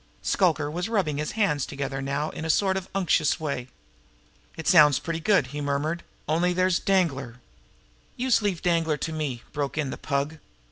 Shluker was rubbing his hands together now in a sort of unctuous way. "It sounds pretty good," he murmured; "only there's Danglar " "Youse leave Danglar to me!" broke in the Pug.